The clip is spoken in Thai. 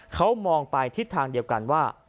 เขามองไปทิศทางเดียวกันว่า